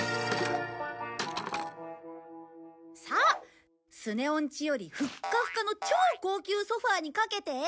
さあスネ夫んちよりフッカフカの超高級ソファにかけて。